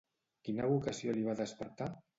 Quina vocació li va despertar?